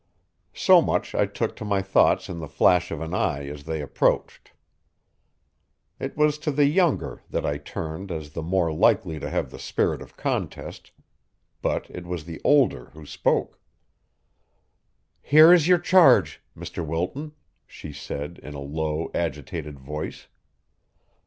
So much I took to my thoughts in the flash of an eye as they approached. It was to the younger that I turned as the more likely to have the spirit of contest, but it was the older who spoke. "Here is your charge, Mr. Wilton," she said in a low, agitated voice.